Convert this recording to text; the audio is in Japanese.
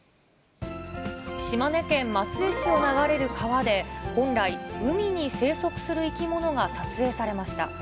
島根県松江市を流れる川で、本来、海に生息する生き物が撮影されました。